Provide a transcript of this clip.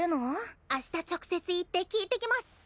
明日直接行って聞いてきます！